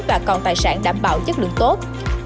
và còn tài sản đảm bảo chất lượng tốt